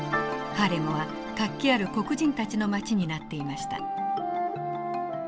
ハーレムは活気ある黒人たちの街になっていました。